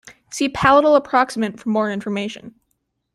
See palatal approximant for more information.